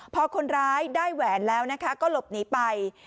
พอคนร้ายได้แหวนแล้วนะคะก็หลบหนีไป